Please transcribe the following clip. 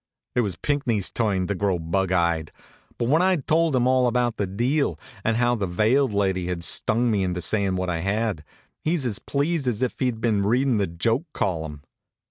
It was Pinckney's turn to grow bug eyed; but when I'd told him all about the deal, and how the veiled lady had stung me into sayin' what I had, he's as pleased as if he'd been readin' the joke column.